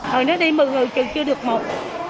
hồi nãy đi một người chợ chưa được một